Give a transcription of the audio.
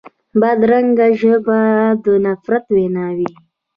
بدرنګه ژبه د نفرت وینا وي